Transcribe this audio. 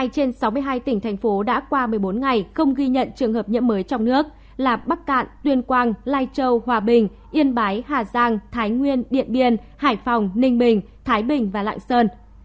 một mươi trên sáu mươi hai tỉnh thành phố đã qua một mươi bốn ngày không ghi nhận trường hợp nhiễm mới trong nước là bắc cạn tuyên quang lai châu hòa bình yên bái hà giang thái nguyên điện biên hải phòng ninh bình thái bình và lạng sơn